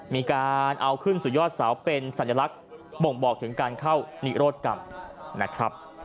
มีการเอาขึ้นสุดยอดเสาเป็นสัญลักษณ์บ่งบอกถึงการเข้านิโรธกรรมนะครับ